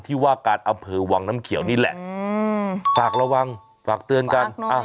ที่ว่าการอเผลอวางน้ำเขียวนี่แหละอืมฝากระวังฝากเตือนกันฝากน้อย